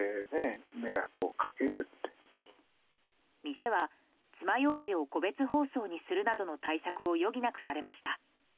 店は、つまようじを個別包装にするなどの対策を余儀なくされました。